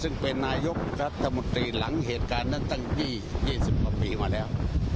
ซึ่งเป็นนายกรัฐธรรมดีหลังเหตุการณ์นั้นตั้งที่๒๐บาลมาแล้ว